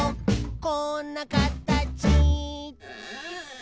「こんなかたち」